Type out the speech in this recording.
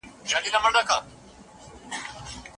اسلام له خاوند څخه غواړي چې خپله کورنۍ وساتي.